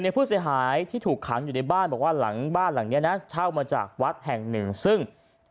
ผู้เสียหายที่ถูกขังอยู่ในบ้านบอกว่าหลังบ้านหลังนี้นะเช่ามาจากวัดแห่งหนึ่งซึ่ง